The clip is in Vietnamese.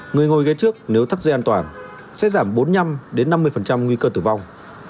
người ngồi ghé trước nếu thắt dây an toàn sẽ giảm bốn mươi năm năm mươi nguy cơ tử vong